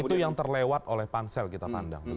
itu yang terlewat oleh pansel itu yang terlewat oleh pansel